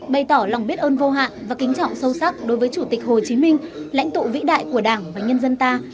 bày tỏ lòng biết ơn vô hạn và kính trọng sâu sắc đối với chủ tịch hồ chí minh lãnh tụ vĩ đại của đảng và nhân dân ta